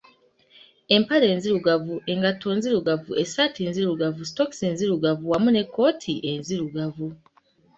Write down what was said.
Empale nzirugavu, engatto nzirugavu, essaati nzirugavu, sitookisi nzirugavu wamu n'ekkooti enzirugavu.